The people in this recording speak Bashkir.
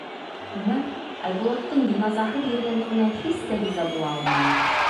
Үмәр Айбулаттың йыназаһыҙ ерләнеүенә һис тә риза була алманы.